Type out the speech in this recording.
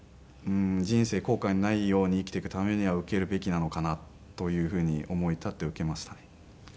人生後悔のないように生きていくためには受けるべきなのかなというふうに思い立って受けましたね。